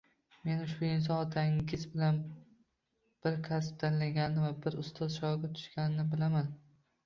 Men ushbu inson otangiz bilan bir kasb tanlagani va bir ustozga shogird tushganini bilaman